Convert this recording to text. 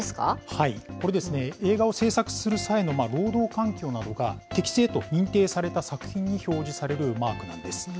はい、これですね、映画を制作する際の労働環境などが適正と認定された作品に表示されるマークなんです。